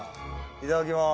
いただきます。